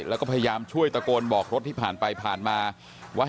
นั่นนั่นนั่นนั่นผมรถตำรวจลงไปกลางทางนะครับ